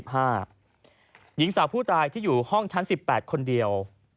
หญิงสาวผู้ตายที่อยู่ห้องชั้น๑๘คนเดียว